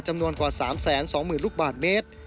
จำนวนกว่า๓๒๐๐๐ลูกบาทเมตร